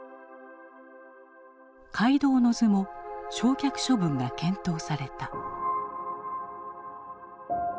「皆働之図」も焼却処分が検討された。